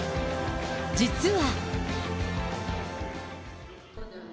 実は。